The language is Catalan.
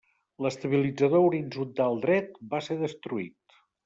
L'estabilitzador horitzontal dret va ser destruït.